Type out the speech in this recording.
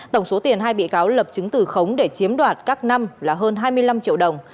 tổng số tiền hai bị cáo lập chứng từ khống để chiếm đoạt các năm là hơn hai mươi năm triệu đồng